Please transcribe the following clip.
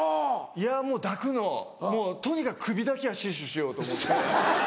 いやもう抱くのとにかく首だけは死守しようと思って。